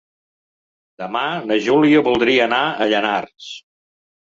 Demà na Júlia voldria anar a Llanars.